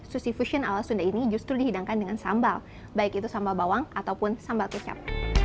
sushi fusion ala sunda ini justru dihidangkan dengan sambal baik itu sambal bawang ataupun sambal kecap